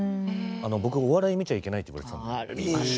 僕、お笑い見ちゃいけないって言われてたんですよ。